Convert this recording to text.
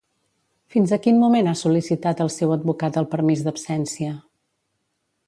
Fins a quin moment ha sol·licitat el seu advocat el permís d'absència?